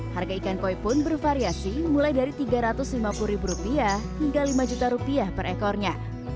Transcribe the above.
harga ikan koi pun bervariasi mulai dari rp tiga ratus lima puluh ribu rupiah hingga lima juta rupiah per ekornya